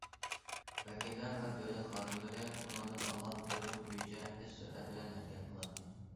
ۋەكىللەر ۋە دۆلەت خادىملىرى ئۇنىڭدىن ئالغان بۇيرۇق بويىچە تېز سۈرئەت بىلەن ھەرىكەت قىلاتتى.